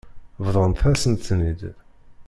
Bḍant-asen-ten-id.